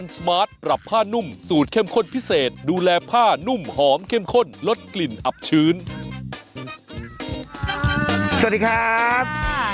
สวัสดีครับค่ะข้าวใส่ไข่สดใหม่ให้เยอะครับผม